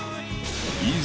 ［いざ］